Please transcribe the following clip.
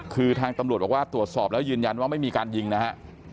คือทางตำรวจบอกว่าตรวจสอบแล้วยืนยันว่าไม่มีการยิงนะฮะ